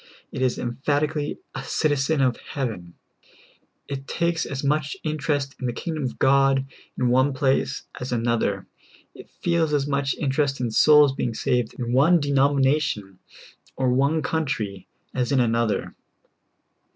It is emphatically a citizen of heaven ; it takes as much interest in the kingdom of God in one place as another ; it feels as much interest in souls being saved in one denomination or one country as in another.